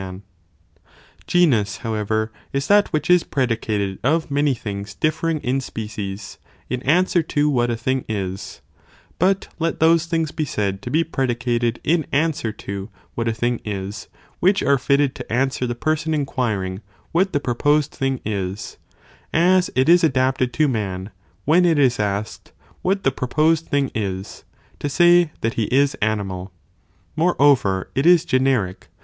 Of genus. Genus, however, is that which is predicated of bovhya" many things differing in species, in (answer to) leagoge, 2.) what a thing is; but let those things be said to be Wallis, Aldrich, predicated in (answer to) what a thing is, which and Mansel. are fitted to answer the person inquiring what the proposed thing is, as it is adapted to man, when it is asked what the proposed thing is, to say that he is animal. Moreover it is generic